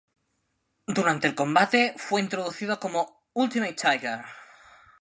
Durante el combate, fue introducido como "Ultimate Tiger".